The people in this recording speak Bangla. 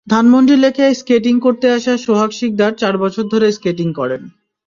ধানমন্ডি লেকে স্কেটিং করতে আসা সোহাগ শিকদার চার বছর ধরে স্কেটিং করেন।